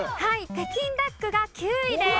北京ダックが９位です。